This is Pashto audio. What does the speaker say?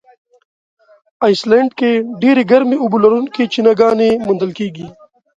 آیسلنډ کې ډېرې ګرمي اوبه لرونکي چینهګانې موندل کیږي.